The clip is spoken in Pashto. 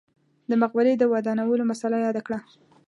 د مقبرې د ودانولو مسئله یاده کړه.